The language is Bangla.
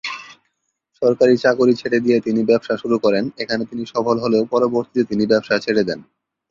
সরকারী চাকুরী ছেড়ে দিয়ে তিনি ব্যবসা শুরু করেন, এখানে তিনি সফল হলেও পরবর্তীতে তিনি ব্যবসা ছেড়ে দেন।